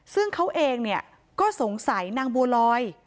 ซึ่งเขาเองก็สงสัยนางบัวลอย